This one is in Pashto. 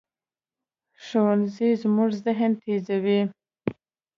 ښوونځی زموږ ذهن تیزوي